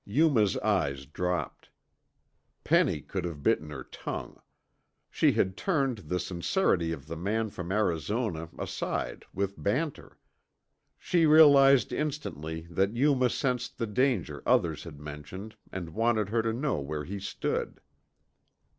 Yuma's eyes dropped. Penny could have bitten her tongue. She had turned the sincerity of the man from Arizona aside with banter. She realized instantly that Yuma sensed the danger others had mentioned and wanted her to know where he stood.